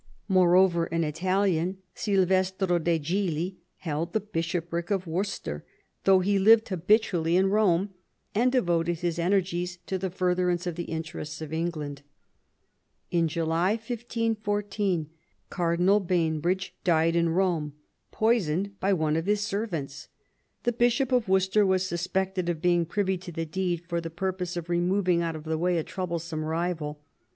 Moreover, an Italian, Silvestro de' Cigli, held the bishopric of Worcester, though he lived habitually in Eome, and devoted his energies to the furtherance of the interests of England. In July 1514 Cardinal Bainbridge died in Rome, poisoned by one of his servants. The Bishop of Worcester was suspected of being privy to the deed for the purpose of removing out of the way a troublesome rival.